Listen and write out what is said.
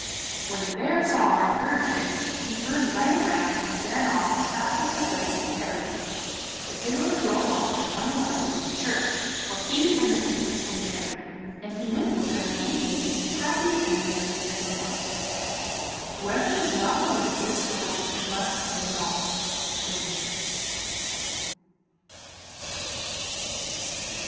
When the bear saw and heard this he turned right round and ran off as fast as his legs would carry him. The tailor drove on unmolested to church, where he and the Princess were married, and he lived with her many years as happy and merry as a lark. Whoever does not believe this story must pay a dollar. Grimm.